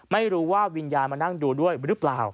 ไม่รู้ว่าวิญญาณมานั่งดูด้วยหรือเปล่า